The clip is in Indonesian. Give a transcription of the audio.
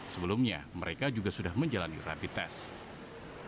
sebelumnya mereka juga sudah menjalani rapid test